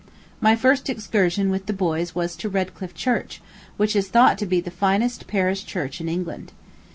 My first excursion with the boys was to Redcliffe Church, which is thought to be the finest parish church in England.